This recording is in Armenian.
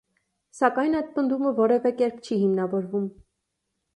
Սակայն այդ պնդումը որևէ կերպ չի հիմնավորվում։